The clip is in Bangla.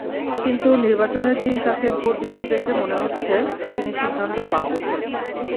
কিন্তু নির্বাচনের দিন তাঁকে ভোট দিতে দেখে মনে হচ্ছে, তিনি সিদ্ধান্ত পাল্টেছেন।